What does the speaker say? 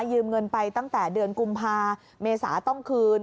ยืมเงินไปตั้งแต่เดือนกุมภาเมษาต้องคืน